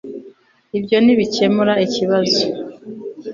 ibyo ntibikemura ikibazo